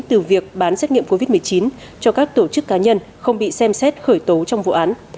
từ việc bán xét nghiệm covid một mươi chín cho các tổ chức cá nhân không bị xem xét khởi tố trong vụ án